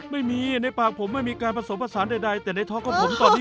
ไม่มีในปากผมไม่มีการผสมผสานใดแต่ในท้องของผมตอนนี้